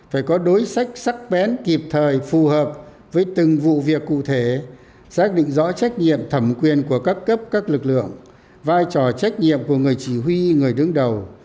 phải có đối sách sắc bén kịp thời phù hợp với từng vụ việc cụ thể xác định rõ trách nhiệm thẩm quyền của các cấp các lực lượng vai trò trách nhiệm của người chỉ huy người đứng đầu